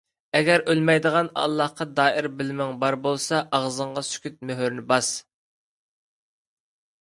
ئەگەر ئۆلمەيدىغان ئاللاھقا دائىر بىلىمىڭ بار بولسا، ئاغزىڭغا سۈكۈت مۆھۈرىنى باس.